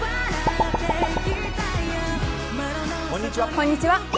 こんにちは。